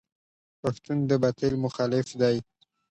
پښتون د باطل مخالف دی.